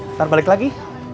ntar balik lagi